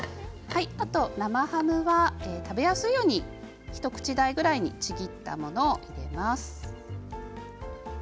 あと生ハムは食べやすいように一口大くらいにちぎったものを入れます。